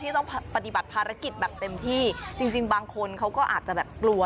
ต้องปฏิบัติภารกิจแบบเต็มที่จริงบางคนเขาก็อาจจะแบบกลัว